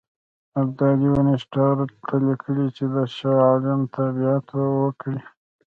ابدالي وینسیټارټ ته لیکلي چې د شاه عالم تابعیت وکړي.